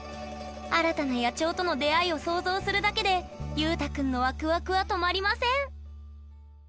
新たな野鳥との出会いを想像するだけでゆうたくんのワクワクは止まりません！